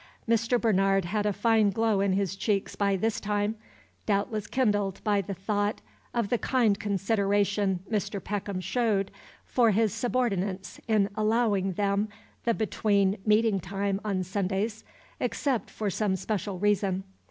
Mr. Bernard had a fine glow in his cheeks by this time, doubtless kindled by the thought of the kind consideration Mr. Peckham showed for his subordinates in allowing them the between meeting time on Sundays except for some special reason.